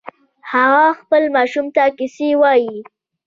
هغه خپل ماشوم ته کیسې وایې